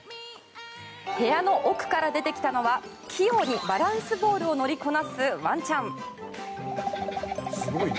部屋の奥から出てきたのは器用にバランスボールを乗りこなすワンちゃん。